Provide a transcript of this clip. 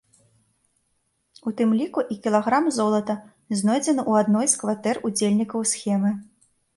У тым ліку і кілаграм золата, знойдзены ў адной з кватэр удзельнікаў схемы.